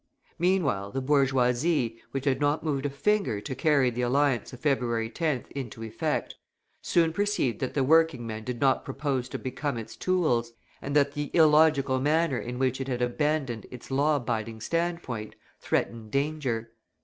Meanwhile the bourgeoisie, which had not moved a finger to carry the alliance of February 10th into effect, soon perceived that the working men did not propose to become its tools, and that the illogical manner in which it had abandoned its law abiding standpoint threatened danger.